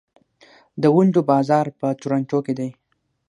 د ونډو بازار په تورنټو کې دی.